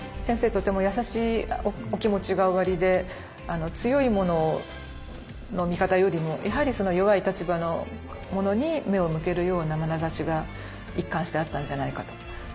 とても優しいお気持ちがおありで強い者の味方よりもやはり弱い立場の者に目を向けるような眼差しが一貫してあったんじゃないかと。